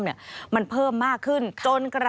สวัสดีค่ะสวัสดีค่ะ